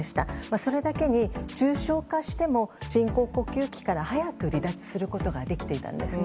それだけに、重症化しても人工呼吸器から早く離脱することができていたんですね。